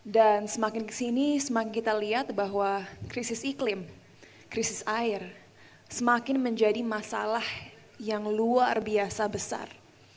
semakin kesini semakin kita lihat bahwa krisis iklim krisis air semakin menjadi masalah yang luar biasa besar